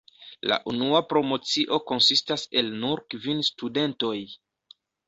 La unua promocio konsistas el nur kvin studentoj.